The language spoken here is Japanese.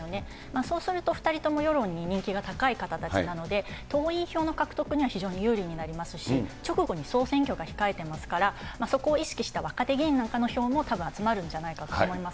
そうすると２人とも世論に人気が高い方たちなので、党員票の獲得には非常に有利になりますし、直後に総選挙が控えていますから、そこを意識した若手議員なんかの票もたぶん集まるんじゃないかと思います。